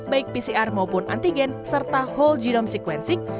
baik pcr maupun antigen serta whole genome sequencing